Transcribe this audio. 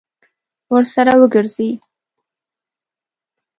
ورسره وګرځي.